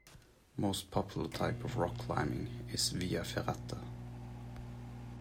Most popular type of rock climbing is via ferrata.